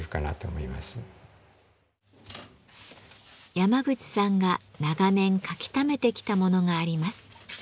山口さんが長年描きためてきたものがあります。